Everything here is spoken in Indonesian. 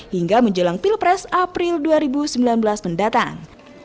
hingga menjelang pilpres april dua ribu sembilan belas mendatang